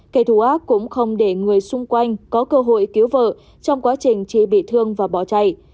kẻ thù ác cũng không để người xung quanh có cơ hội cứu vợ trong quá trình chị bị thương và bỏ chạy